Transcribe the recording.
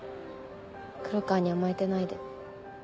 黒川に甘えてないで。